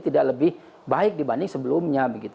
tidak lebih baik dibanding sebelumnya